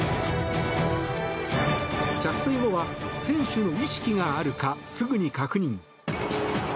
着水後は、選手の意識があるかすぐに確認。